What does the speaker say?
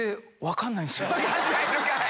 分かんないのかい！